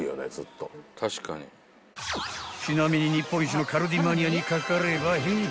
［ちなみに日本一のカルディマニアにかかればへい！